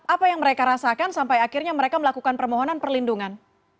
apa yang mereka rasakan sampai akhirnya mereka melakukan permohonan perlindungan